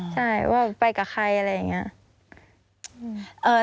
ใช่ว่าไปกับใครอะไรอย่างนี้